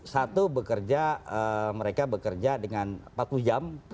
satu bekerja mereka bekerja dengan empat puluh jam